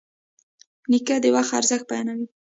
نیکه د وخت ارزښت بیانوي.